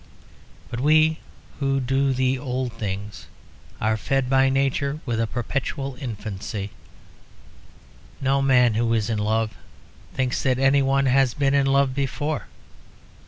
But we who do the old things are fed by nature with a perpetual infancy. No man who is in love thinks that any one has been in love before.